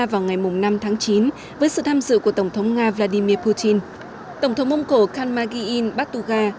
vào ngày năm tháng chín với sự tham dự của tổng thống nga vladimir putin tổng thống mông cổ khan magi in batuga